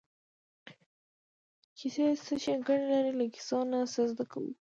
کیسې څه ښېګڼې لري له کیسو نه څه زده کوو.